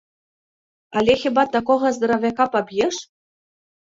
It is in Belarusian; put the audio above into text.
Але хіба такога здаравяка паб'еш?